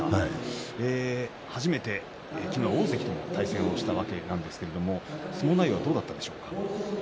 初めて昨日は大関との対戦をしたわけですけれども相撲内容はどうだったでしょうか。